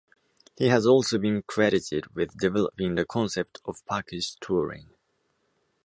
He has also been credited with developing the concept of "package" touring.